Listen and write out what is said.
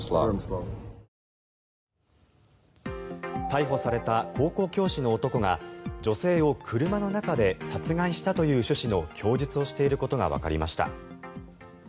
逮捕された高校教師の男が女性を車の中で殺害したという趣旨の供述をしていることがわかりました。